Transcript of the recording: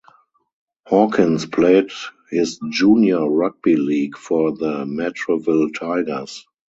Hawkins played his junior rugby league for the Matraville Tigers.